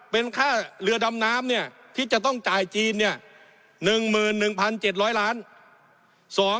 เป็นค่าเรือดำน้ำเนี่ยที่จะต้องจ่ายจีนเนี่ย๑๑๗๐๐ล้าน